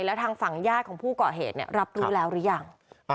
แล้วทางฝั่งญาติของผู้เกาะเหตุรับรู้แล้วหรือยัง